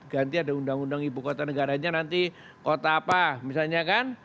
ganti ada undang undang ibu kota negaranya nanti kota apa misalnya kan